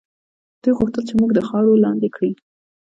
دوی غوښتل چې موږ د خاورو لاندې کړي.